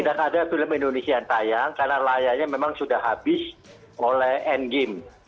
dan ada film indonesia yang tayang karena layarnya memang sudah habis oleh endgame